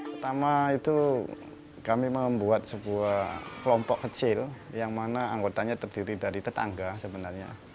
pertama itu kami membuat sebuah kelompok kecil yang mana anggotanya terdiri dari tetangga sebenarnya